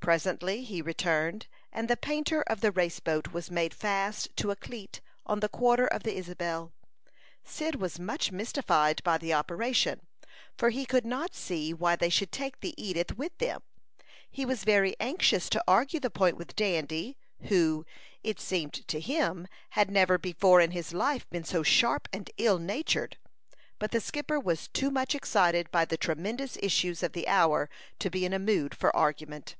Presently he returned, and the painter of the race boat was made fast to a cleat on the quarter of the Isabel. Cyd was much mystified by the operation, for he could not see why they should take the Edith with them. He was very anxious to argue the point with Dandy, who, it seemed to him, had never before in his life been so sharp and ill natured. But the skipper was too much excited by the tremendous issues of the hour to be in a mood for argument.